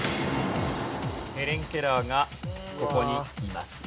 ヘレン・ケラーがここにいます。